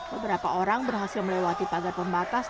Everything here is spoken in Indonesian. beberapa orang berhasil melewati pagar pembatas